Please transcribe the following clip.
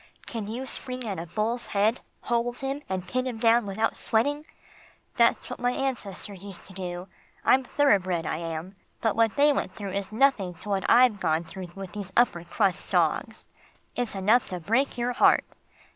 Can you spring at a bull's head, hold him, and pin him down without sweating? That's what my ancestors used to do. I'm thoroughbred I am. But what they went through is nothing to what I've gone through with these upper crust dogs. It's enough to break your heart.